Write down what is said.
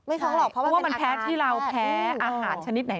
ท้องหรอกเพราะว่ามันแพ้ที่เราแพ้อาหารชนิดไหน